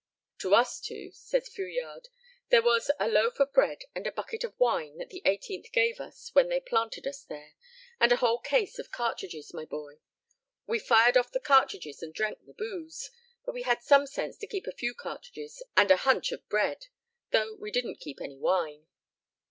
"To us two," says Fouillade, "there was a loaf of bread and a bucket of wine that the 18th gave us when they planted us there, and a whole case of cartridges, my boy. We fired off the cartridges and drank the booze, but we had sense to keep a few cartridges and a hunch of bread, though we didn't keep any wine."